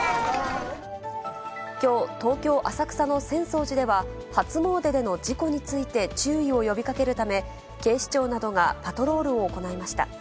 きょう、東京・浅草の浅草寺では、初詣での事故について注意を呼びかけるため、警視庁などがパトロールを行いました。